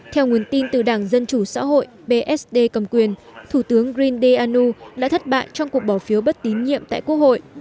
theo nguồn tin từ đảng dân chủ xã hội psd cầm quyền thủ tướng grindeanu đã thất bại trong cuộc bỏ phiếu bất tín nhiệm tại quốc hội